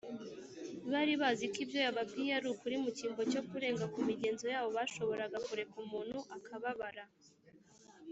bari bazi ko ibyo yababwiye ari ukuri mu cyimbo cyo kurenga ku migenzo yabo, bashoboraga kureka umuntu akababara